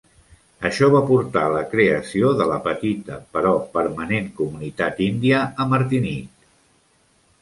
Això va portar a la creació de la petita, però permanent, comunitat índia a Martinique.